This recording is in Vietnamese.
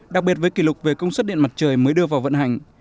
đặc biệt với kỷ lục về công suất điện mặt trời mới đưa vào vận hành